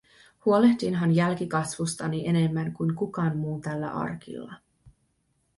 Huolehdinhan jälkikasvustani enemmän kuin kukaan muu tällä arkilla.